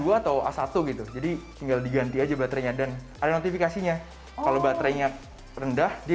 dua atau a satu gitu jadi tinggal diganti aja baterainya dan ada notifikasinya kalau baterainya rendah dia